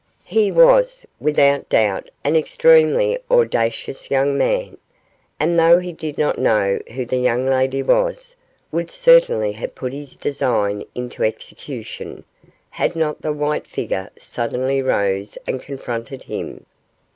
He was, without doubt, an extremely audacious young man, and though he did not know who the young lady was, would certainly have put his design into execution, had not the white figure suddenly rose and confronted him.